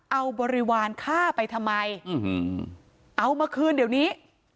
เอาบริวารฆ่าไปทำไมเอามาคืนเดี๋ยวนี้